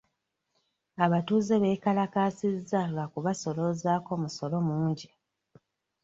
Abatuuze beekalakaasizza lwa kubasooloozaako musolo mungi.